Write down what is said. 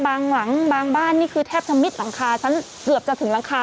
หลังบางบ้านนี่คือแทบจะมิดหลังคาฉันเกือบจะถึงหลังคา